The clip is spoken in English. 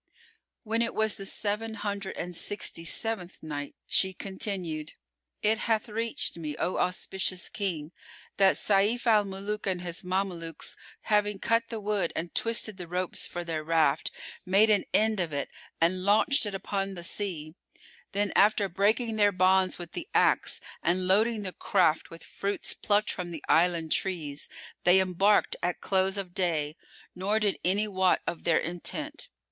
When it was the Seven Hundred and Sixty seventh Night, She continued, It hath reached me, O auspicious King, that Sayf al Muluk and his Mamelukes, having cut the wood and twisted the ropes for their raft, made an end of it and launched it upon the sea; then, after breaking their bonds with the axe, and loading the craft with fruits plucked from the island trees, they embarked at close of day; nor did any wot of their intent.